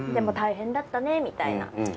大変だったねみたいな。